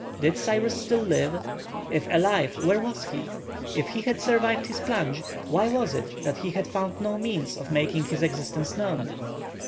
Did Cyrus still live? If alive, where was he? If he had survived his plunge, why was it he had found no means of making his existence known?